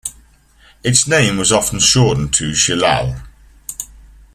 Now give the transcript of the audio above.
Its name was often shortened to "Chelal".